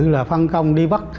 là phân công đi bắt